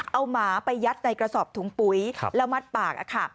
เอาหมาไปยัดในกระสอบถุงปุ๋ยแล้วมัดปากค่ะ